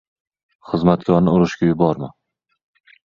— Xizmatkorni urushga yuborma.